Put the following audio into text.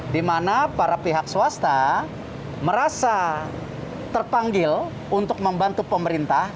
di mana para pihak swasta merasa terpanggil untuk membantu pemerintah